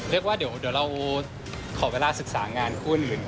เรียกว่าเดี๋ยวเราขอเวลาศึกษางานคู่หนึ่งก่อน